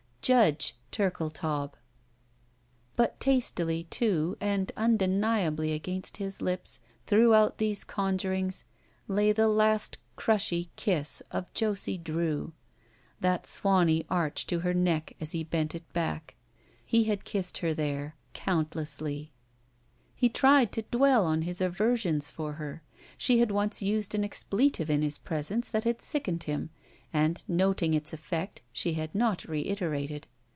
Judge — ^Turldetaub ! But tastily, too, and tmdeniably against his lips, throughout these conjurings, lay the last crushy kiss of Josie Drew. That swany arch to her neck as he bent it back. He had kissed her there. Cotmtlessly. He tried to dwell on his aversions for her. She had once used an expletive in his presence that had sickened him, and, noting its effect, she had not reiterated.